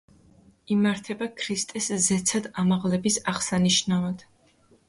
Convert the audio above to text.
იმართება ქრისტეს ზეცად ამაღლების აღსანიშნავად.